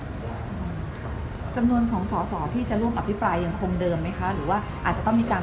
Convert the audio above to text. จำนวนของสที่ร่วมอภิปรายจะคงเดิมไหมคะ